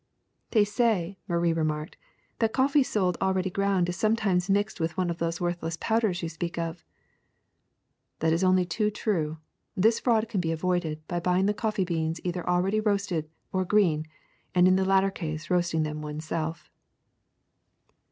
'' *^They say,^' Marie remarked, ^'that coffee sold already ground is sometimes mixed with one of those worthless powders you speak of." ^^ That is only too true. This fraud can be avoided by buying the coffee beans either already roasted or green, and in the latter case roasting them one self.''